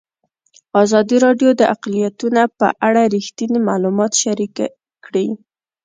ازادي راډیو د اقلیتونه په اړه رښتیني معلومات شریک کړي.